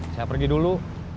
saya pergi dulu